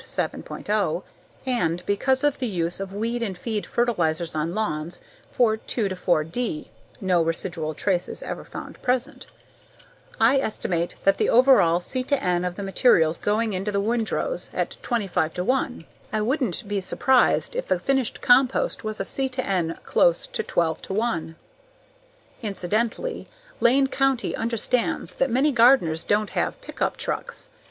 0) and, because of the use of weed and feed fertilizers on lawns, for 2 4D (no residual trace ever found present), I estimate that the overall C/N of the materials going into the windrows at 25:1. I wouldn't be surprised if the finished compost has a C/N close to 12:1. Incidentally, Lane County understands that many gardeners don't have pickup trucks.